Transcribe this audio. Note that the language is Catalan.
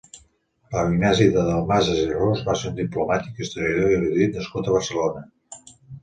Pau Ignasi de Dalmases i Ros va ser un diplomàtic, historiador i erudit nascut a Barcelona.